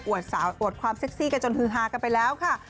อวดความเซ็กซี่กันจนฮือฮากันไปแล้วค่ะ